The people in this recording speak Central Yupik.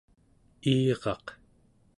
iiraq